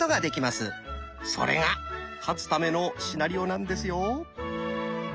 それが勝つためのシナリオなんですよ。